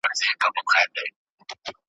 له ښکاري مي وېره نسته زه له دامه ګیله من یم ,